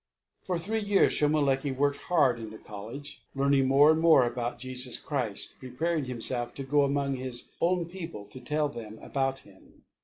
For three years Shomolekae worked hard in the college, learning more and more about Jesus Christ, preparing himself to go among his own people to tell them about Him.